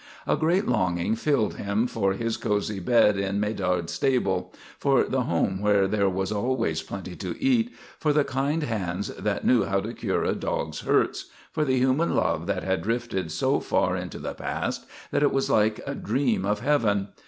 A great longing filled him for his cozy bed in Medard's stable, for the home where there was always plenty to eat, for the kind hands that knew how to cure a dog's hurts, for the human love that had drifted so far into the past that it was like a dream of heaven.